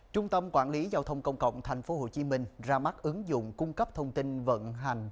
trung tâm quản lý giao thông công cộng tp hcm ra mắt ứng dụng cung cấp thông tin vận hành